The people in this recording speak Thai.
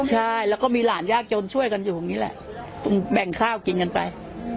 ใช่แล้วก็มีหลานยากจนช่วยกันอยู่อย่างนี้แหละต้องแบ่งข้าวกินกันไป